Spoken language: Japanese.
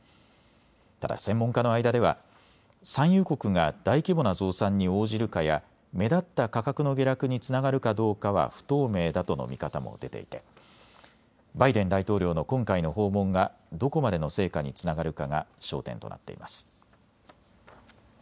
ただ、専門家の間では産油国が大規模な増産に応じるかや目立った価格の下落につながるかどうかは不透明だとの見方も出ていてバイデン大統領の今回の訪問がどこまでの成果につながるかが焦点となっています。